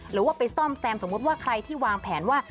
หรือว่าไปซ่อมแซมสมมุติว่าใครที่วางแผนว่า